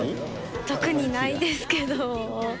特にないですけど。